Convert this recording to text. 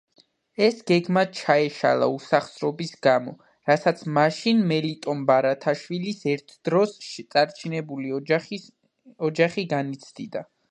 ეს გეგმა ჩაეშალა უსახსრობის გამო, რასაც მაშინ მელიტონ ბარათაშვილის ერთდროს წარჩინებული ოჯახი განიცდიდა.